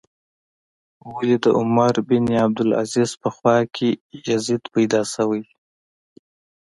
ولې د عمر بن عبدالعزیز په خوا کې یزید پیدا شوی.